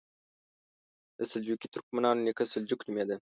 د سلجوقي ترکمنانو نیکه سلجوق نومېده.